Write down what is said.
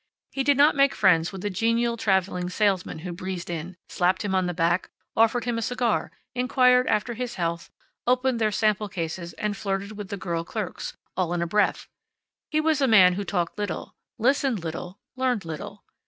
He did not make friends with the genial traveling salesmen who breezed in, slapped him on the back, offered him a cigar, inquired after his health, opened their sample cases and flirted with the girl clerks, all in a breath. He was a man who talked little, listened little, learned little.